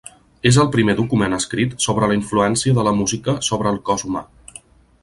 És el primer document escrit sobre la influència de la música sobre el cos humà.